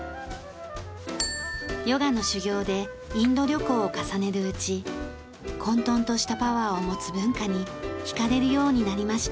ヨガの修行でインド旅行を重ねるうち混沌としたパワーを持つ文化に惹かれるようになりました。